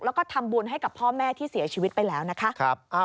แล้วก็ทำบุญให้กับพ่อแม่ที่เสียชีวิตไปแล้วนะคะ